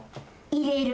入れる。